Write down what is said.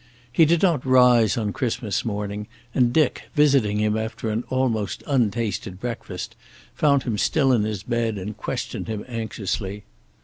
He did not rise on Christmas morning, and Dick, visiting him after an almost untasted breakfast, found him still in his bed and questioned him anxiously.